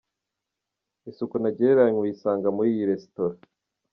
Isuku ntagereranywa uyisanga muri iyi resitora.